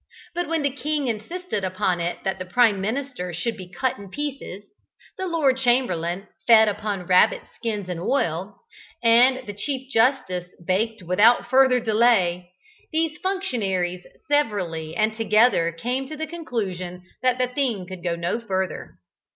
But when the king insisted upon it that the Prime Minister should be cut in pieces, the Lord Chamberlain fed upon rabbit skins and oil, and the Chief Justice baked without further delay, these functionaries severally and together came to the conclusion that the thing could go no further.